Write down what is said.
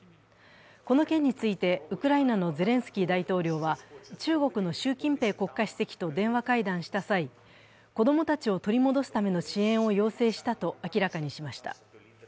この件について、ウクライナのゼレンスキー大統領は中国の習近平国家主席と電話会談した際、子供たちを取り戻すための支援を要請したと明らかにしました。